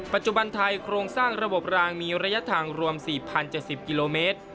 ปัจจุบันไทยโครงสร้างระบบรางมีระยะทางรวม๔๐๗๐กิโลเมตร